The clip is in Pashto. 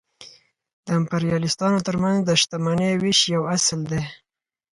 د امپریالیستانو ترمنځ د شتمنۍ وېش یو اصل دی